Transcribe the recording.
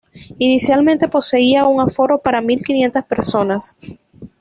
Inicialmente poseía un aforo para mil quinientas personas.